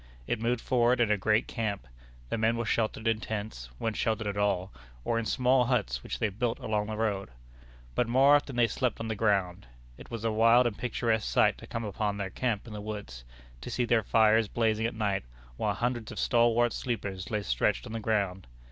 It moved forward in a great camp. The men were sheltered in tents, when sheltered at all, or in small huts which they built along the road. But more often they slept on the ground. It was a wild and picturesque sight to come upon their camp in the woods, to see their fires blazing at night while hundreds of stalwart sleepers lay stretched on the ground.